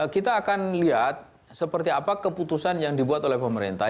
kita akan lihat seperti apa keputusan yang dibuat oleh pemerintah